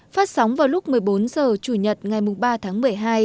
phát sóng vào lúc một mươi bốn h chủ nhật ngày ba tháng một mươi hai